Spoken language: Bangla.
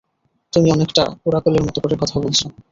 তুমি অনেকটা ওরাকলের মতো করে কথা বলছ।